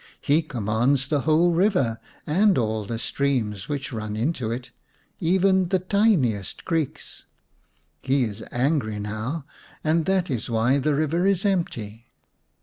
He commands the whole river and all the streams which run into it, even the tiniest creeks. He is angry now, and that is why the river is empty."